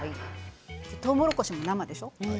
とうもろこしも生でしょう。